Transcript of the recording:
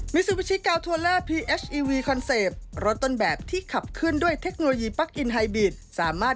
เมื่อ๑๙๐๐๐บาท